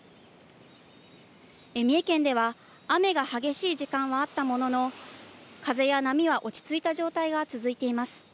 三重県では雨が激しい時間はあったものの、風や波は落ち着いた状態が続いています。